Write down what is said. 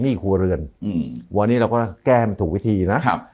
ครัวเรือนอืมวันนี้เราก็แก้มันถูกวิธีนะครับ